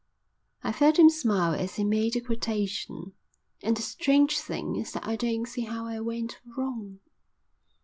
_'" I felt him smile as he made the quotation. "And the strange thing is that I don't see how I went wrong."